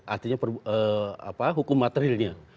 artinya hukum materilnya